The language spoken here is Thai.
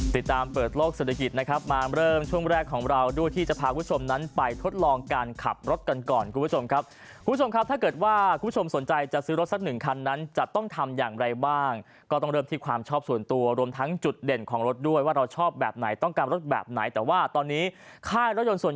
ติดตามเปิดโลกเศรษฐกิจนะครับมาเริ่มช่วงแรกของเราด้วยที่จะพาคุณผู้ชมนั้นไปทดลองการขับรถกันก่อนคุณผู้ชมครับคุณผู้ชมครับถ้าเกิดว่าคุณผู้ชมสนใจจะซื้อรถสักหนึ่งคันนั้นจะต้องทำอย่างไรบ้างก็ต้องเริ่มที่ความชอบส่วนตัวรวมทั้งจุดเด่นของรถด้วยว่าเราชอบแบบไหนต้องการรถแบบไหนแต่ว่าตอนนี้ค่ายรถยนต์ส่วน